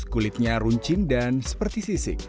kulitnya runcin dan seperti sisik